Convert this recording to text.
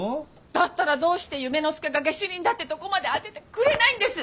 だったらどうして夢の助が下手人だってとこまで当ててくれないんです！